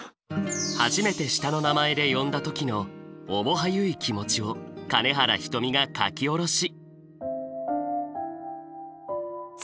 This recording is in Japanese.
初めて下の名前で呼んだ時の面映い気持ちを金原ひとみが書き下ろし。